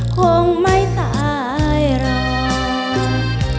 คงไม่ตายหรอก